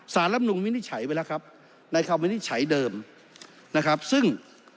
ลำนุนวินิจฉัยไว้แล้วครับในคำวินิจฉัยเดิมนะครับซึ่ง